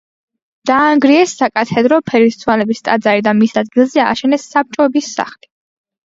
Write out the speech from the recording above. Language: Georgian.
დაანგრიეს საკათედრო ფერისცვალების ტაძარი და მის ადგილზე ააშენეს საბჭოების სახლი.